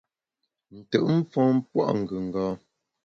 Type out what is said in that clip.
Ntùt mfon pua’ ngùnga.